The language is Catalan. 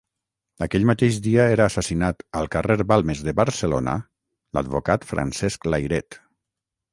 Aquell mateix dia era assassinat al carrer Balmes de Barcelona, l'advocat Francesc Layret.